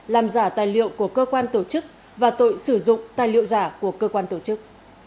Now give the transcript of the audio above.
làm giả tài liệu của cơ quan tổ chức và tội sử dụng tài liệu giả của cơ quan tổ chức